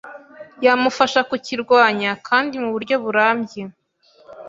yamufasha kukirwanya kandi muburyo burambye